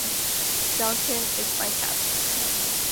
Declan is my cat.